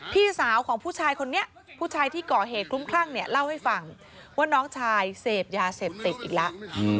พี่สาวของผู้ชายคนนี้ผู้ชายที่ก่อเหตุคลุ้มคลั่งเนี่ยเล่าให้ฟังว่าน้องชายเสพยาเสพติดอีกแล้ว